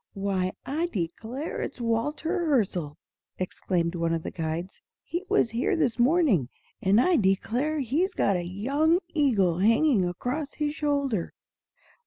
"Why, I declare it's Watty Hirzel!" exclaimed one of the guides. "He was here this morning, and I declare he's got a young eagle hanging across his shoulder."